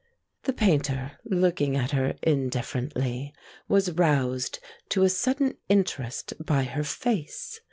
The Painter, looking at her indifferently, was roused to a sudden interest by her face.